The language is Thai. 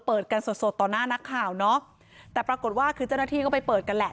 เปิดกันสดสดต่อหน้านักข่าวเนอะแต่ปรากฏว่าคือเจ้าหน้าที่ก็ไปเปิดกันแหละ